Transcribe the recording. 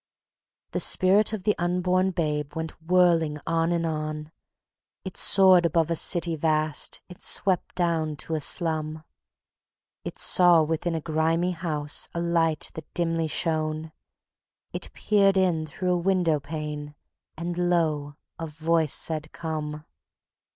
The Spirit of the Unborn Babe went whirling on and on; It soared above a city vast, it swept down to a slum; It saw within a grimy house a light that dimly shone; It peered in through a window pane and lo! a voice said: "Come!"